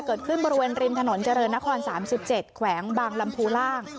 เกิดขึ้นบริเวณรินถนนเจริญคอนสามสิบเจ็ดแขวงบางลำพูล่าง